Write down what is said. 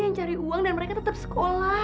yang cari uang dan mereka tetap sekolah